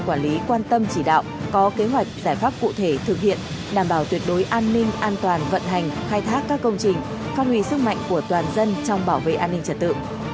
an ninh an toàn vận hành khai thác các công trình phát huy sức mạnh của toàn dân trong bảo vệ an ninh trật tự